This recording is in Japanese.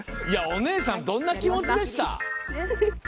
お姉さん、どんな気持ちでした？